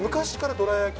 どら焼き。